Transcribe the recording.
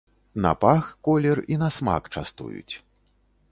На пах, колер і на смак частуюць.